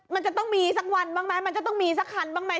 มันจะต้องมีสักวันบ้างไหมมันจะต้องมีสักคันบ้างไหม